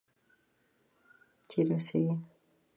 چیرې اوسیږې.